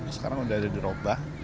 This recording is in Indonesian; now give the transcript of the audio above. sekarang udah diubah